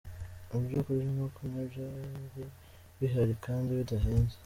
Ibyo kurya no kunywa byari bihari kandi bidahenze.